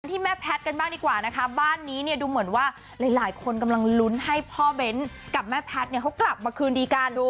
ที่แม่แพทย์กันบ้างดีกว่านะคะบ้านนี้เนี่ยดูเหมือนว่าหลายคนกำลังลุ้นให้พ่อเบ้นกับแม่แพทย์เนี่ยเขากลับมาคืนดีกัน